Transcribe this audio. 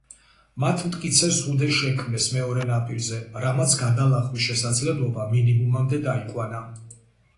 მათ მტკიცე ზღუდე შექმნეს მეორე ნაპირზე, რამაც გადალახვის შესაძლებლობა მინიმუმამდე დაიყვანა.